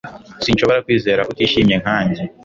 Sinshobora kwizera ko utishimye nkanjye